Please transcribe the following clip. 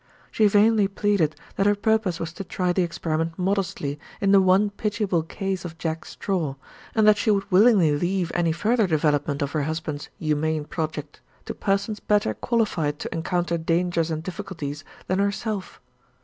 She vainly pleaded that her purpose was to try the experiment modestly in the one pitiable case of Jack Straw, and that she would willingly leave any further development of her husband's humane project to persons better qualified to encounter dangers and difficulties than herself.